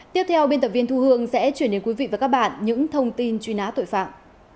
tiếp theo biên tập viên thu hương sẽ chuyển đến quý vị và các bạn những thông tin truy nã tội phạm